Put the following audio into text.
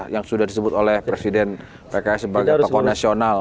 yang sudah disebut oleh presiden pks sebagai tokoh nasional